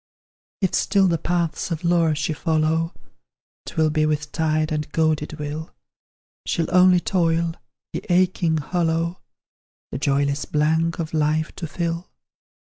If still the paths of lore she follow, 'Twill be with tired and goaded will; She'll only toil, the aching hollow, The joyless blank of life to fill.